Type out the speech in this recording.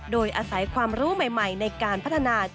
โดยอาศัยความรู้ใหม่ในการพัฒนา